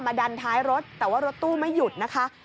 ดันท้ายรถแต่ว่ารถตู้ไม่หยุดนะคะ